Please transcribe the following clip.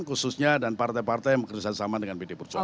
khususnya dan partai partai yang kerjasama dengan pdi perjuangan